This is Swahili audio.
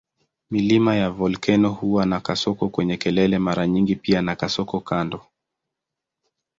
Milima ya volkeno huwa na kasoko kwenye kelele mara nyingi pia na kasoko kando.